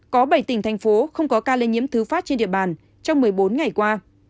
có bảy tỉnh thành phố không có ca lây nhiễm thứ phát trên địa bàn trong một mươi bốn ngày qua